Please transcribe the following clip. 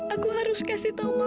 aku harus kasih tau